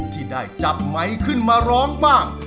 ที่ได้จับไมค์ขึ้นมาร้องบ้าง